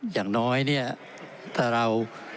อย่างน้อยถ้าเรา